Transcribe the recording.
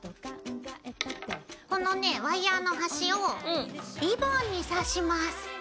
このねワイヤーの端をリボンに刺します。